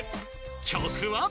［曲は］